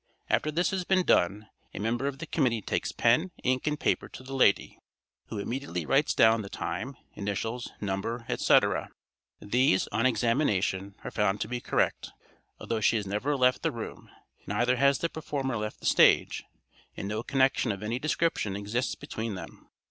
After this has been done a member of the committee takes pen, ink, and paper to the lady, who immediately writes down the time, initials, number, etc.; these, on examination, are found to be correct, although she has never left the room, neither has the performer left the stage, and no connection of any description exists between them.